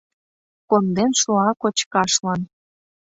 Конден шуа кочкашлан...